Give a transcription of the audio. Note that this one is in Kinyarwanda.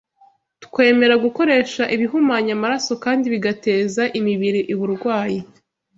twemera gukoresha ibihumanya amaraso kandi bigateza imibiri uburwayi